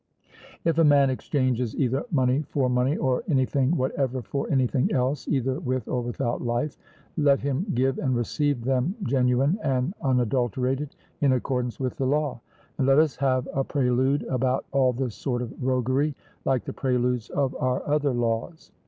If a man exchanges either money for money, or anything whatever for anything else, either with or without life, let him give and receive them genuine and unadulterated, in accordance with the law. And let us have a prelude about all this sort of roguery, like the preludes of our other laws.